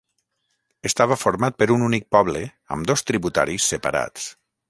Estava format per un únic poble amb dos tributaris separats.